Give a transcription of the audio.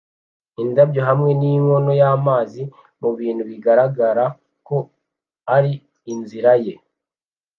indabyo hamwe ninkono yamazi mubintu bigaragara ko ari inzira ye